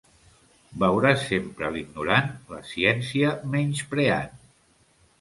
Veuràs sempre l'ignorant la ciència menyspreant.